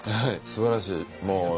すばらしい。